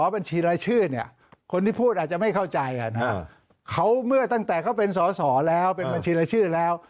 บัญชีรายชื่อเนี่ยคนที่พูดอาจจะไม่เข้าใจเขาเมื่อตั้งแต่เขาเป็นสอสอแล้วเป็นบัญชีรายชื่อแล้ว